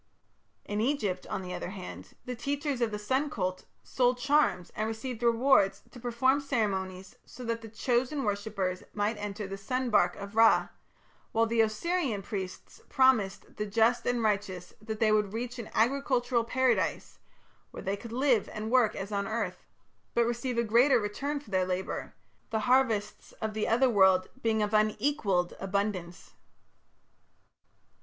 In Egypt, on the other hand, the teachers of the sun cult sold charms and received rewards to perform ceremonies so that chosen worshippers might enter the sun barque of Ra; while the Osirian priests promised the just and righteous that they would reach an agricultural Paradise where they could live and work as on earth, but receive a greater return for their labour, the harvests of the Otherworld being of unequalled abundance.